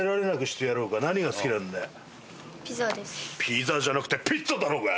「ピザ」じゃなくて「ピッツァ」だろうが。